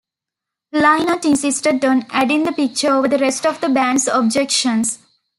Lynott insisted on adding the picture over the rest of the band's objections.